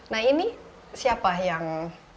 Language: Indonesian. nah ini siapa yang